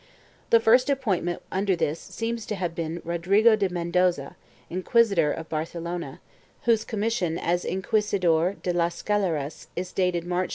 2 The first appointment under this seems to have been Rodrigo de Mendoza, Inquisitor of Barcelona, whose commission as Inquisidor de las Galeras is dated March 21, 1575, 1 Bibl.